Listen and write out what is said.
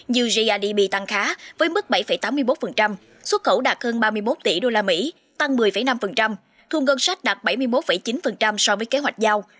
như grdp tăng khá với mức bảy tám mươi một xuất khẩu đạt hơn ba mươi một tỷ usd tăng một mươi năm thu ngân sách đạt bảy mươi một chín so với kế hoạch giao